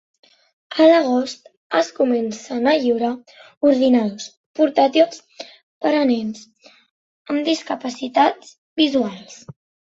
A l'agost es comencen a lliurar ordinadors portàtils per a nens amb discapacitats visuals.